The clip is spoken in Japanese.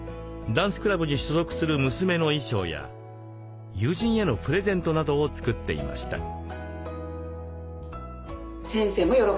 ダンスクラブに所属する娘の衣装や友人へのプレゼントなどを作っていました。